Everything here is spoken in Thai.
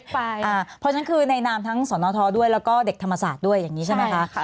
เพราะฉะนั้นคือในนามทั้งสนทด้วยแล้วก็เด็กธรรมศาสตร์ด้วยอย่างนี้ใช่ไหมคะ